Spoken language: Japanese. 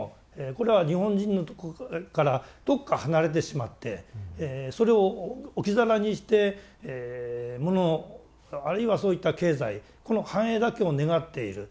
これは日本人のとこからどっか離れてしまってそれを置き去りにしてものあるいはそういった経済この繁栄だけを願っている。